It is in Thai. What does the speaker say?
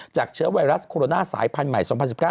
เชื้อไวรัสโคโรนาสายพันธุ์ใหม่๒๐๑๙